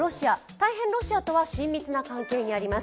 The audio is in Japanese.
大変ロシアとは親密な関係にあります。